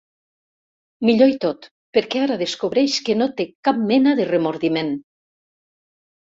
Millor i tot, perquè ara descobreix que no té cap mena de remordiment.